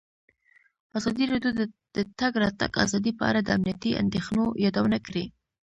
ازادي راډیو د د تګ راتګ ازادي په اړه د امنیتي اندېښنو یادونه کړې.